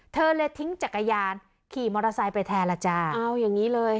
เธอเลยทิ้งจักรยานขี่มอเตอร์ไซค์ไปแทนล่ะจ้าเอาอย่างนี้เลย